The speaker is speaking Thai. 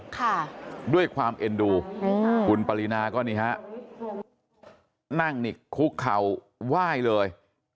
ค่ะด้วยความเอ็นดูอืมคุณปรินาก็นี่ฮะนั่งนี่คุกเข่าไหว้เลย